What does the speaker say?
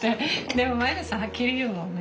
でも前田さんはっきり言うもんね。